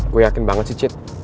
gue yakin banget sih cid